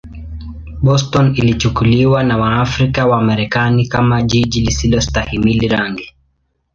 Boston ilichukuliwa na Waafrika-Wamarekani kama jiji lisilostahimili rangi.